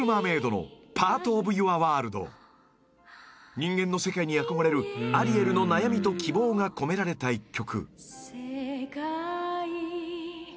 ［人間の世界に憧れるアリエルの悩みと希望が込められた１曲］